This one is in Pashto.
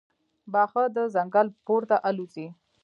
باښه د ځنګل پورته الوزي.